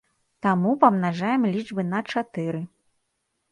Таму памнажаем лічбы на чатыры.